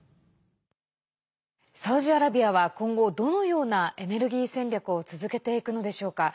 サウジアラビアは今後どのようなエネルギー戦略を続けていくのでしょうか。